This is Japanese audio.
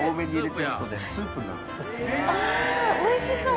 あおいしそう！